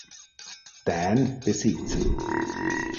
Dan besitzen.